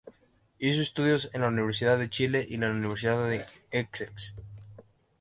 Hizo estudios en la Universidad de Chile y la Universidad de Essex.